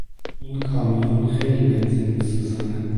این کامیون خیلی بنزین میسوزاند.